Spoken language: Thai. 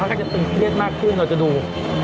ค่ะเขาค่อยจะตึงเครียดมากขึ้นเราจะดู